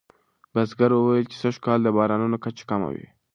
بزګر وویل چې سږکال د بارانونو کچه کمه وه.